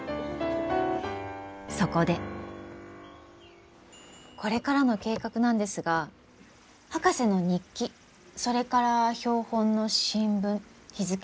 そこでこれからの計画なんですが博士の日記それから標本の新聞日付